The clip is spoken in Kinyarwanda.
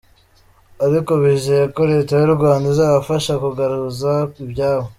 Ariko bizeye ko Leta y’u Rwanda izabafasha kugaruza ibyabo.